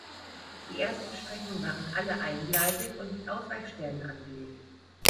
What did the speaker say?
Die ersten Strecken waren alle eingleisig und mit Ausweichstellen angelegt.